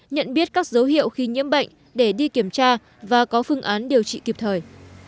nhận biết các dấu hiệu khi nhiễm bệnh để đi kiểm tra và có phương án điều trị kịp thời